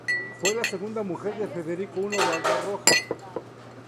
Fue la segunda mujer de Federico I Barbarroja.